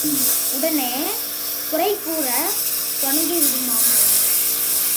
உடனே குறை கூறத் தொடங்கி விடுமாம்.